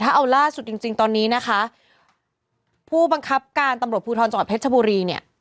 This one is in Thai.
ถ้าเอาล่าสุดจริงจริงตอนนี้นะคะผู้บังคับการตำรวจภูทรจังหวัดเพชรชบุรีเนี่ย